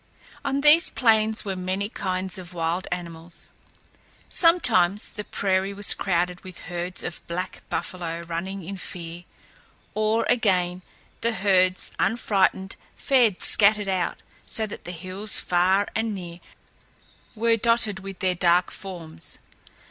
On these plains were many kinds of wild animals. Sometimes the prairie was crowded with herds of black buffalo running in fear; or, again, the herds, unfrightened, fed scattered out; so that the hills far and near were dotted with their dark forms.